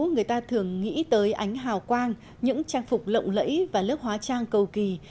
người ta thường nghĩ tới ánh hào quang những trang phục lộng lẫy và lớp hóa trang cầu kỳ